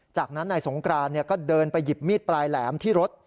จากนั้นนายสงกรานก็เดินไปหยิบมีดปลายแหลมที่รถ